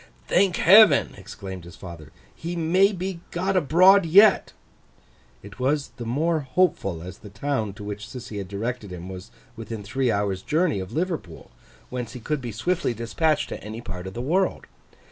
'Thank Heaven!' exclaimed his father. 'He may be got abroad yet.' It was the more hopeful as the town to which Sissy had directed him was within three hours' journey of Liverpool, whence he could be swiftly dispatched to any part of the world.